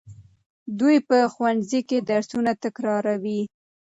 دوی په ښوونځي کې درسونه تکراروي.